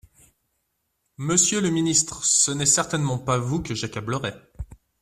Monsieur le ministre, ce n’est certainement pas vous que j’accablerais.